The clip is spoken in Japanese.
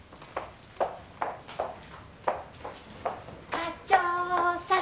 課長さん！